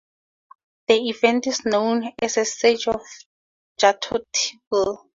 This event is known as the Siege of Jadotville.